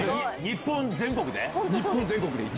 日本全国で１位。